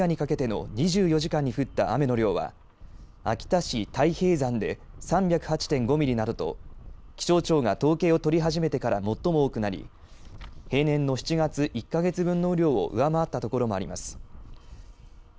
夕方から昨夜にかけての２４時間に降った雨の量は秋田市太平山で３０８．５ミリなどと気象庁が統計を取り始めてから最も多くなり平年の７月１か月分の雨量を上回ったところもあります。